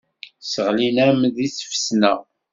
Sseɣlin-am deg tfesna.